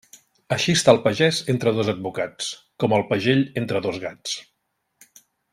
Així està el pagès entre dos advocats, com el pagell entre dos gats.